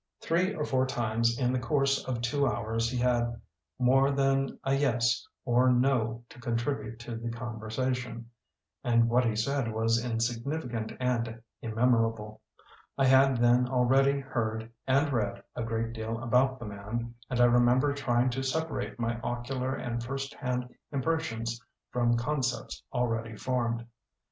Three or four times in the course of two hours he had more than a yes or no to contribute to the conversation, and what he said was insignificant and inunemorable. I had then already heard and read a great deal about the man and I remember trying to sepa rate my ocular and first hand impres sions from concepts already formed.